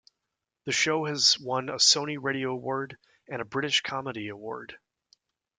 The show has won a Sony Radio Award and a British Comedy Award.